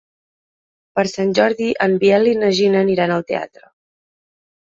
Per Sant Jordi en Biel i na Gina aniran al teatre.